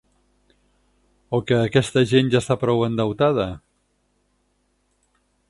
O que aquesta gent ja està prou endeutada?